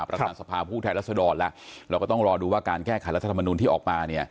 ประธานสภาผู้แทนรัศดรแล้วเราก็ต้องรอดูว่าการแก้ไขรัฐธรรมนุนที่ออกมาเนี่ย